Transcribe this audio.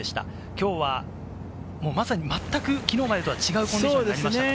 きょうはまさに、全くきのうまでとは違うコンディションになりました。